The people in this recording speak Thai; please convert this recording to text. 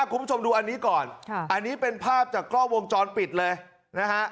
คุณผู้ชมดูอันนี้ก่อนอันนี้เป็นภาพจากกล้องวงจรปิดเลยนะฮะ